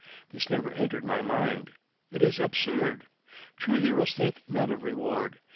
This never entered my mind. It is absurd. True heroes think not of reward.